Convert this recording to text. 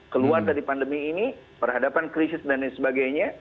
keluar dari pandemi ini berhadapan krisis dan lain sebagainya